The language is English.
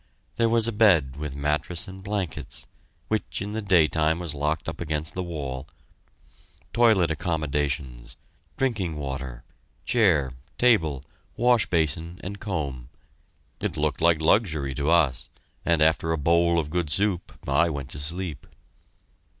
There was a bed with mattress and blankets, which in the daytime was locked up against the wall, toilet accommodations, drinking water, chair, table, wash basin, and comb. It looked like luxury to us, and after a bowl of good soup I went to sleep.